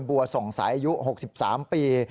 ส่งสายอายุ๖๓ปี